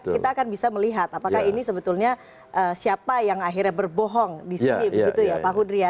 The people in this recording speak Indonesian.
kita akan bisa melihat apakah ini sebetulnya siapa yang akhirnya berbohong di sini begitu ya pak hudri ya